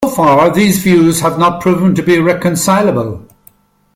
So far, these views have not proven to be reconcilable.